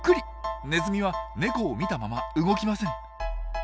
ネズミはネコを見たまま動きません。